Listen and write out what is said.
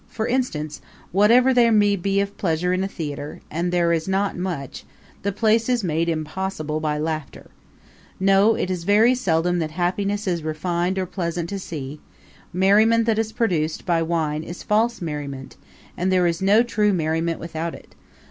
For instance, whatever there may be of pleasure in a theater and there is not much the place is made impossible by laughter ... No; it is very seldom that happiness is refined or pleasant to see merriment that is produced by wine is false merriment, and there is no true merriment without it